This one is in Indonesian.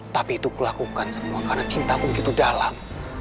tapi itu kulakukan semua karena cintamu begitu dalam